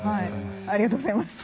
ありがとうございます